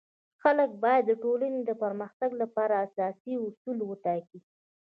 خلک باید د ټولنی د پرمختګ لپاره اساسي اصول وټاکي.